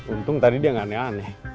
untung tadi dia nggak aneh aneh